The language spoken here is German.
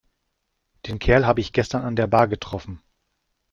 Den Kerl habe ich gestern an der Bar getroffen.